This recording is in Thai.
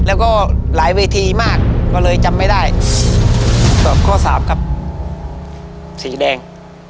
แล้วก็หลายเวทีมากก็เลยจำไม่ได้ตอบข้อสามครับสีแดง